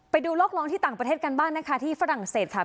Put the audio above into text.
ไปดูโลกร้องที่ต่างประเทศกันบ้างนะคะที่ฝรั่งเศสค่ะ